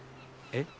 えっ？